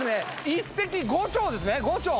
一石五鳥ですね